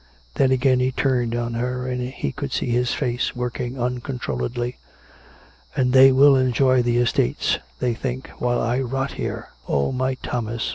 Then again he turned on her, and she could see his face working uncontrolledly. "And they will enjoy the estates, they think, while I rot here !"" Oh, my Thomas' !